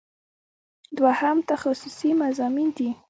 دوهم تخصصي مضامین دي.